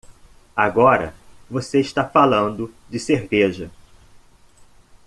Agora você está falando de cerveja!